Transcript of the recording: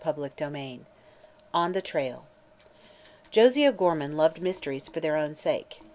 CHAPTER XVIII ON THE TRAIL Josie O'Gorman loved mysteries for their own sake.